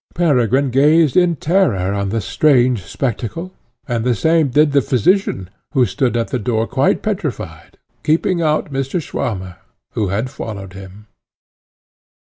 Peregrine gazed in terror on the strange spectacle, and the same did the physician, who stood at the door quite petrified, keeping out Mr. Swammer, who had followed him.